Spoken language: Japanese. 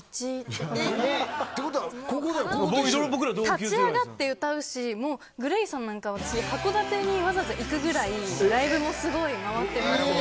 立ち上がって歌うしＧＬＡＹさんなんかは函館にわざわざ行くぐらいライブもすごい回ってますよ。